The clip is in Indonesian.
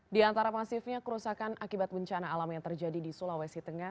di antara masifnya kerusakan akibat bencana alam yang terjadi di sulawesi tengah